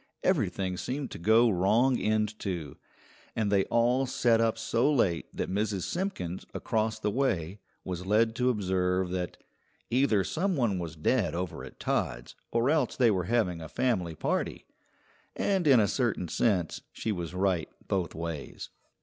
Everything seemed to go wrong end to, and they all sat up so late that Mrs. Simpkins, across the way, was led to observe that "Either some one was dead over at Todd's or else they were having a family party"; and in a certain sense she was right both ways.